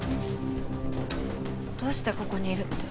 どうしてここにいるって。